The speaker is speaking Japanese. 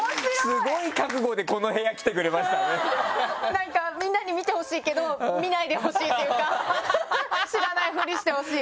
なんかみんなに見てほしいけど見ないでほしいというか知らないふりしてほしい。